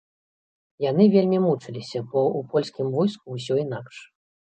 Яны вельмі мучыліся, бо ў польскім войску усё інакш.